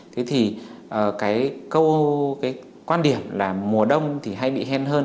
thế thì cái quan điểm là mùa đông thì hay bị hen hơn